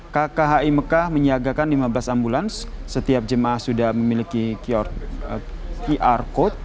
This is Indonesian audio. kkhi mekah menyiagakan lima belas ambulans setiap jemaah sudah memiliki qr code